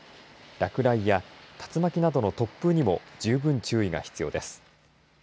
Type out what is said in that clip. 落雷や竜巻などの突風にも十分注意が必要です。